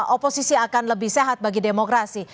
oposisi akan lebih sehat bagi demokrasi